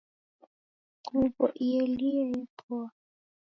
Nguwo ielie yepoa